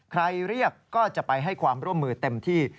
เรียกก็จะไปให้ความร่วมมือเต็มที่